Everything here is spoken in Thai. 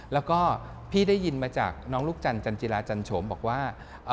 แล้วก็พี่ได้ยินมาจากน้องลูกจันจันจิราจันโฉมบอกว่า